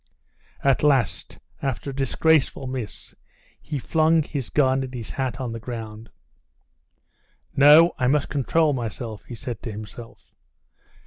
At last, after a disgraceful miss, he flung his gun and his hat on the ground. "No, I must control myself," he said to himself.